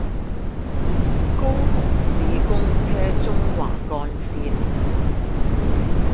高雄市公車中華幹線